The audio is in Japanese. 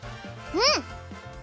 うん。